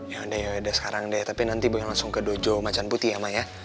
yaudah sekarang deh tapi nanti boy langsung ke dojo macan putih ya ma ya